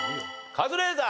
カズレーザー。